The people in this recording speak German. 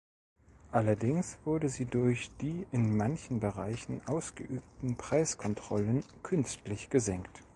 Allerdings wurde sie durch die in manchen Bereichen ausgeübten Preiskontrollen künstlich gesenkt.